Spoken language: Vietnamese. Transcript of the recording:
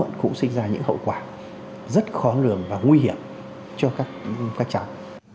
đứng muộn cũng sinh ra những hậu quả rất khó lường và nguy hiểm cho các cháu